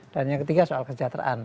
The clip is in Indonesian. dan yang ketiga soal kesejahteraan